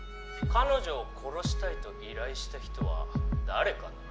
彼女を殺したいと依頼した人は誰かな？